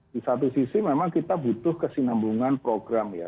di satu sisi memang kita butuh kesinambungan program ya